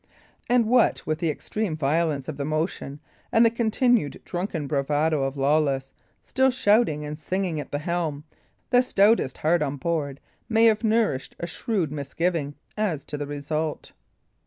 And what with the extreme violence of the motion, and the continued drunken bravado of Lawless, still shouting and singing at the helm, the stoutest heart on board may have nourished a shrewd misgiving as to the result.